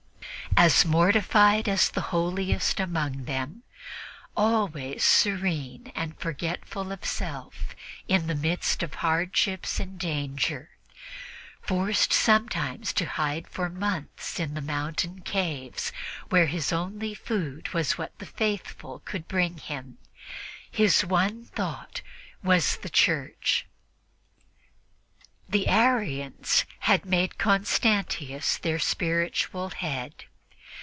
As mortified as the holiest among them, always serene and forgetful of self in the midst of hardships and danger, forced sometimes to hide for months in the mountain caves where his only food was what the faithful could bring him, his one thought was the Church. The Arians had made Constantius their spiritual head.